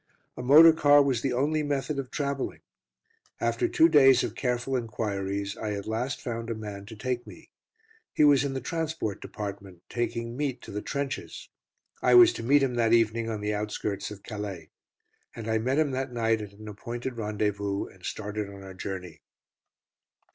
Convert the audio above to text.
A motor car was the only method of travelling. After two days of careful enquiries, I at last found a man to take me. He was in the transport department, taking meat to the trenches. I was to meet him that evening on the outskirts of Calais. And I met him that night at an appointed rendezvous, and started on our journey.